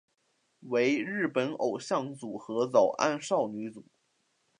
为日本偶像组合早安少女组。